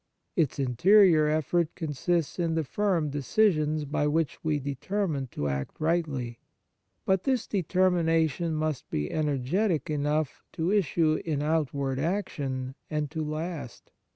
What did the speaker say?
Its interior effort consists in the firm decision by which we determine to act rightly. But this determination must be energetic enough to issue in outward action and to last.